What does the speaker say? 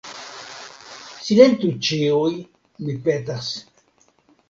Silentu ĉiuj, mi petas!